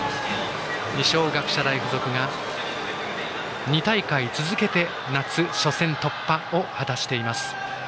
二松学舎大付属が２大会続けて夏初戦突破を果たしています。